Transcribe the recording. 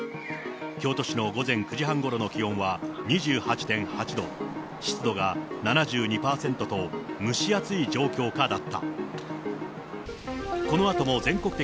京都市の午前９時半ごろの気温は２８．８度、湿度が７２％と、蒸ここで訂正です。